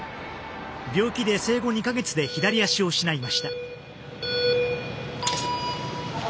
病気で生後２か月で左足を失いました。